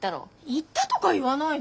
イったとか言わないで。